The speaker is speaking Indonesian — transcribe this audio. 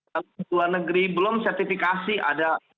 kalau di luar negeri belum sertifikasi ada